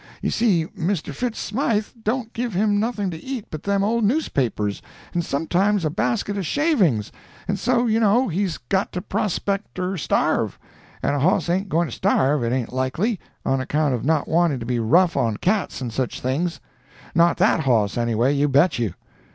You see Mr. Fitz Smythe don't give him nothing to eat but them old newspapers and sometimes a basket of shavings, and so you know, he's got to prospect or starve, and a hoss ain't going to starve, it ain't likely, on account of not wanting to be rough on cats and sich things. Not that hoss, anyway, you bet you.